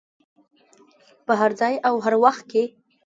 په هر ځای او هر وخت کې.